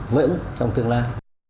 vững trong tương lai